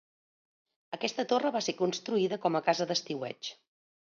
Aquesta torre va ser construïda com a casa d'estiueig.